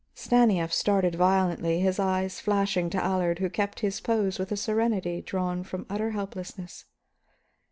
Stanief started violently, his eyes flashing to Allard, who kept his pose with a serenity drawn from utter helplessness.